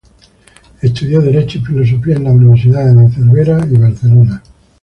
Estudió derecho y filosofía en las universidades de Cervera y Barcelona.